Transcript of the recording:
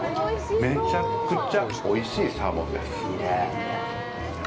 めちゃくちゃおいしいサーモンです。